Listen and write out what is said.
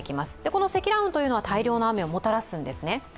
この積乱雲は大量の雨をもたらすんですね。